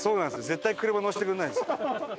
絶対車乗せてくれないんです。